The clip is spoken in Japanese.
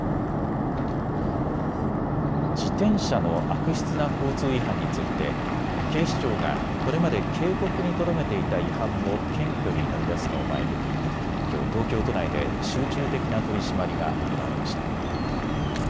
自転車の悪質な交通違反について警視庁がこれまで警告にとどめていた違反も検挙に乗り出すのを前にきょう東京都内で集中的な取締りが行われました。